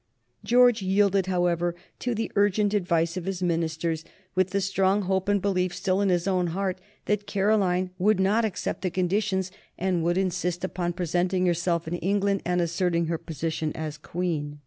George yielded, however, to the urgent advice of his ministers, with the strong hope and belief still in his own heart that Caroline would not accept the conditions, and would insist upon presenting herself in England and asserting her position as Queen.